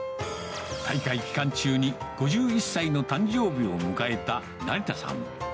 大会期間中に、５１歳の誕生日を迎えた成田さん。